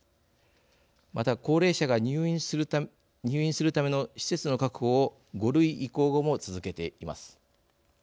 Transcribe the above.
また高齢者が入院するための施設の確保を５類移行後も続けています。